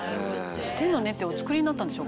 「してんのねってお作りになったんでしょ？